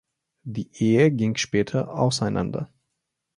Die Ehe ging später auseinander.